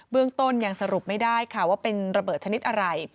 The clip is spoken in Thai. เรื่องต้นยังสรุปไม่ได้ค่ะว่าเป็นระเบิดชนิดอะไร